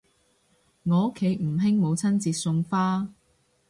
我屋企唔興母親節送花